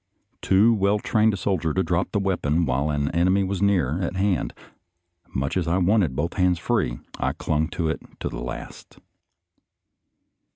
Too well trained a soldier to drop the weapon while an enemy was near at hand, much as I wanted both hands free I clung to it to the last.